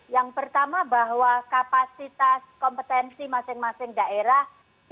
yang pertama bahwa kapasitas kompetensi masing masing daerah